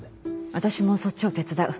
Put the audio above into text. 私もそっちを手伝う。